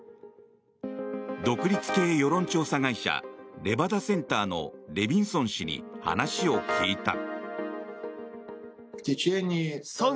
独立系世論調査会社レバダ・センターのレビンソン氏に話を聞いた。